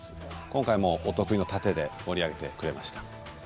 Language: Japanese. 今回もお得意の殺陣で盛り上げてくれました。